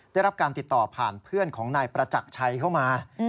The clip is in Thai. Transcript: ได้รับการติดต่อผ่านเพื่อนของนายประจักรชัยเข้ามา